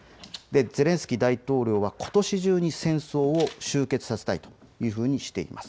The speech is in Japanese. ゼレンスキー大統領はことし中に戦争を終結させたいとしています。